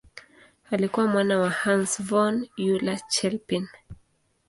Alikuwa mwana wa Hans von Euler-Chelpin.